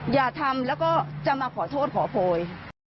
อย่าทำแล้วก็จะมาขอโทษขอโพย